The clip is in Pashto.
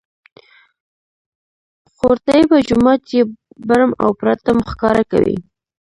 قورطیبه جومات یې برم او پرتم ښکاره کوي.